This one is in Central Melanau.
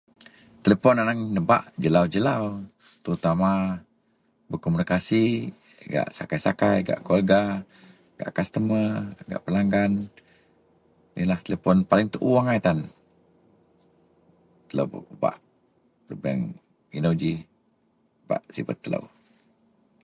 telepon aneng nebak jelau-jelau terutama berkomunikasi gak sakai-sakai gak keluarga gak kostumer gak pelanggan, ienlah telepon paling tuu agai tan, telou bak pebak lubeang inou ji bak sibet telou